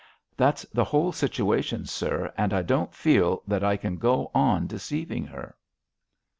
"That's the whole situation, sir, and I don't feel that I can go on deceiving her."